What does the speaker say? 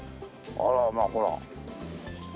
あらまあほら。